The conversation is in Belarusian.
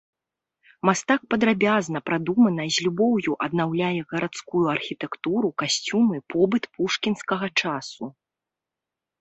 Мастак падрабязна, прадумана, з любоўю аднаўляе гарадскую архітэктуру, касцюмы, побыт пушкінскага часу.